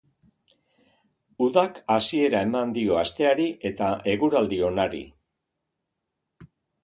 Udak hasiera eman dio asteari eta eguraldi onari.